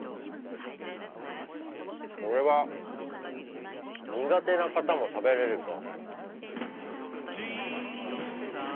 これは苦手な方も食べれるぞ。